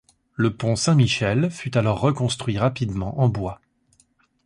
Le pont Saint-Michel fut alors reconstruit rapidement en bois.